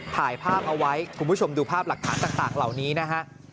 ถ่ายภาพเอาไว้คุณผู้ชมดูภาพหลักฐานต่างเหล่านี้นะฮะ